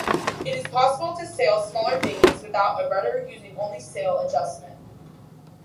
It is possible to sail smaller dinghies without a rudder using only sail adjustment.